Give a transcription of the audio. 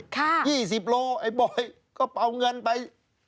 ๒๐โลไอ้บอยก็เอาเงินไป